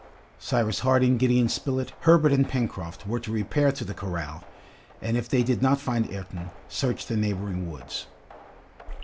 Cyrus Harding, Gideon Spilett, Herbert, and Pencroft were to repair to the corral, and if they did not find Ayrton, search the neighboring woods.